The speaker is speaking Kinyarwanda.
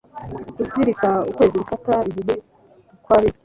Kuzirika ukwezi Gufata igihe kw'Abiru